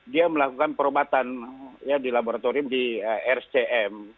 dia melakukan perobatan ya di laboratorium di rcm